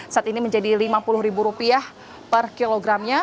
saat ini menjadi rp lima puluh per kilogramnya